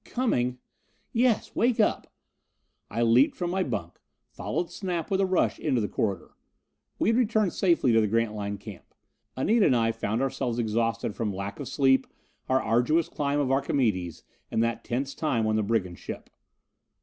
"Coming " "Yes. Wake up!" I leaped from my bunk, followed Snap with a rush into the corridor. We had returned safely to the Grantline Camp. Anita and I found ourselves exhausted from lack of sleep, our arduous climb of Archimedes and that tense time on the brigand ship.